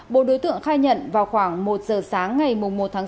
bộ đối tượng khai nhận vào khoảng một giờ sáng ngày một tháng sáu